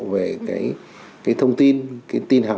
về cái thông tin cái tin học